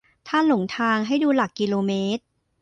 ถ้าหลงทางให้ดูหลักกิโลเมตร